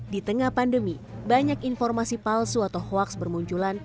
di tengah pandemi banyak informasi palsu atau hoaks bermunculan